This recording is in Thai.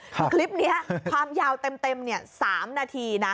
คลิปนี้ความยาวเต็มสามนาทีนะ